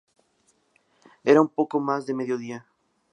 Era un poco más de mediodía.